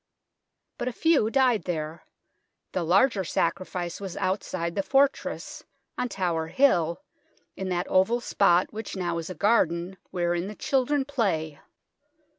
But a few died there the larger sacrifice was outside the fortress, on Tower Hill, in that oval spot which now is a garden, wherein the children play.